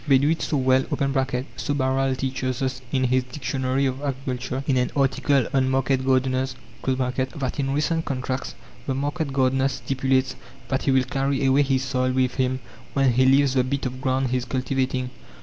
They do it so well (so Barral teaches us, in his "Dictionary of Agriculture," in an article on market gardeners) that in recent contracts, the market gardener stipulates that he will carry away his soil with him when he leaves the bit of ground he is cultivating.